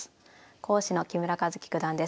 講師の木村一基九段です。